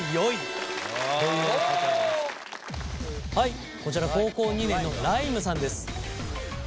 はいこちら高校２年のらいむさんです。